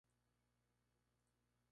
Ella misma constituía un canal entre ambos.